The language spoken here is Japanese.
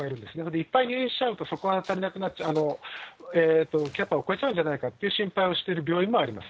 いっぱい入院しちゃうとそこが足りなくなっちゃう、キャパを超えちゃうんじゃないかという心配をしている病院もあります。